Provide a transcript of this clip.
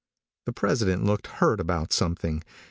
The president looked hurt about something.